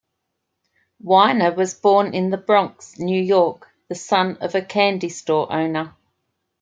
Weiner was born in the Bronx, New York, the son of a candy-store owner.